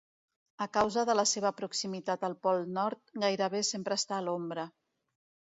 A causa de la seva proximitat al pol nord, gairebé sempre està a l'ombra.